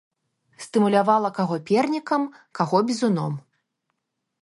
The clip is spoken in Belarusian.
Стымулявала каго пернікам, каго бізуном.